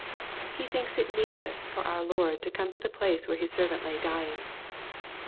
He thinks it needless for our Lord to come to the place where his servant lay LUKE, CHAP. VII. 203 dying.